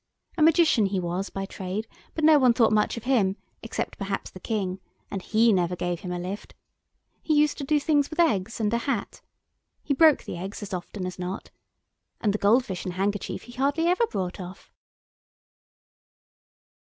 A magician he was by trade, but no one thought much of him, except perhaps the King, and he never gave him a lift. He used to do things with eggs and a hat. He broke the eggs as often as not. And the goldfish and handkerchief he hardly ever brought off."